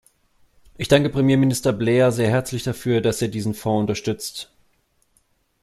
Ich danke Premierminister Blair sehr herzlich dafür, dass er diesen Fonds unterstützt.